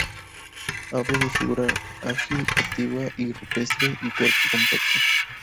Ave de figura ágil, activa, muy rupestre y cuerpo compacto.